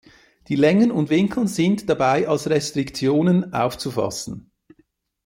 Die Längen und Winkel sind dabei als Restriktionen aufzufassen.